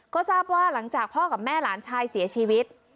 ก็ทราบว่าหลังจากพ่อกับแม่หลานชายเสียชีวิต